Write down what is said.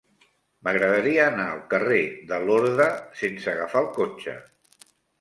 M'agradaria anar al carrer de Lorda sense agafar el cotxe.